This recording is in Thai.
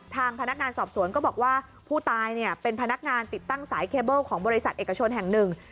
ทางพนักงานสอบสวนก็บอกว่าผู้ตายเนี่ยเป็นพนักงานติดตั้งสายเคเบิ้ลของบริษัทเอกชนแห่งหนึ่ง